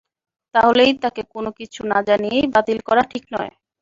তাহলেই তাকে কোনো কিছু না জানিয়েই বাতিল করা ঠিক নয়।